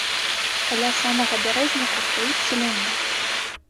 Каля самага бярэзніку стаіць селянін.